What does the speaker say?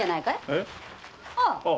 えっ？ああ。